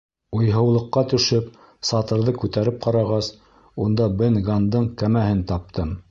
Уйһыулыҡҡа төшөп, сатырҙы күтәреп ҡарағас, унда Бен Ганндың кәмәһен таптым.